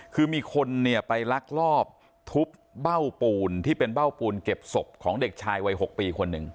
คือมีคนเนี่ยไปลักลอบทุบเบ้าปูนที่เป็นเบ้าปูนเก็บศพของเด็กชายวัย๖ปีคนหนึ่ง